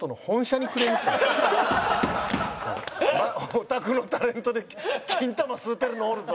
「おたくのタレントでキンタマ吸うてるのおるぞ！」